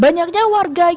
banyaknya warga yang